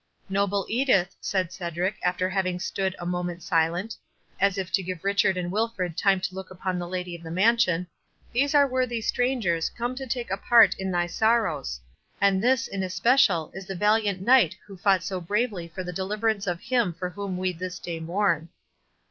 "Noble Edith," said Cedric, after having stood a moment silent, as if to give Richard and Wilfred time to look upon the lady of the mansion, "these are worthy strangers, come to take a part in thy sorrows. And this, in especial, is the valiant Knight who fought so bravely for the deliverance of him for whom we this day mourn."